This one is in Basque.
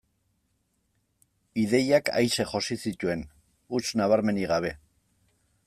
Ideiak aise josi zituen, huts nabarmenik gabe.